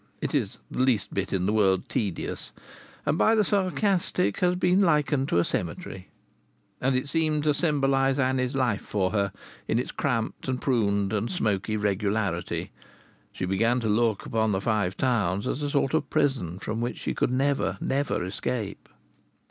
It is the least bit in the world tedious, and by the sarcastic has been likened to a cemetery. And it seemed to symbolize Annie's life for her, in its cramped and pruned and smoky regularity. She began to look upon the Five Towns as a sort of prison from which she could never, never escape.